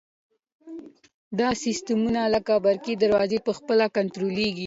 دا سیسټمونه لکه برقي دروازې په خپله کنټرولیږي.